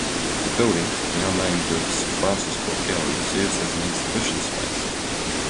The building, now named the "Sir Francis Cook Gallery", serves as an exhibition space.